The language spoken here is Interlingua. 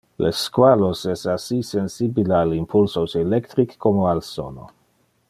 Le squalos es assi sensibile al impulsos electric como al sono.